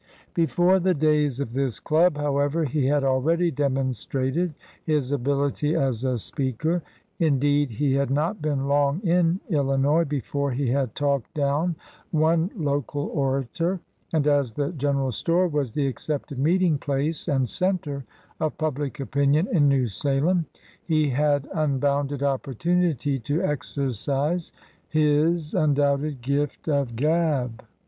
Before the days of this club, however, he had already demonstrated his ability as a speaker. Indeed, he had not been long in Illinois before he had talked down one local orator; and as the general store was the accepted meeting place and center of public opinion in New Salem, he had unbounded opportunity to exercise his un doubted "gift of gab."